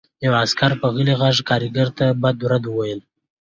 یوه عسکر په غلي غږ کارګر ته بد رد وویل